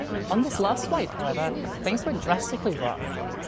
On this last flight, however, things went drastically wrong.